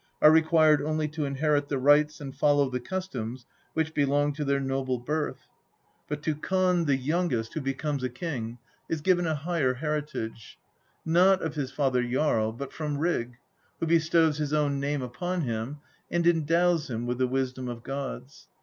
are required only to inherit the rights and follow the customs which belong to their noble birth. But to ivon the INTRODUCTION. LIU youngest, who becomes a king, is given a higher heritage, not of his father Jarl, but from Rig, who bestows his own name upon him, and endows him with the wisdom of gods.